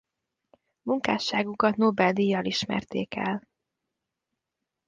Munkásságukat Nobel-díjjal ismerték el.